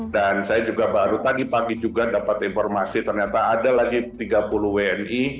dan saya juga baru tadi pagi juga dapat informasi ternyata ada lagi tiga puluh wni